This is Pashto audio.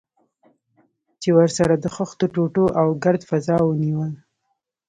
چې ورسره د خښتو ټوټو او ګرد فضا ونیول.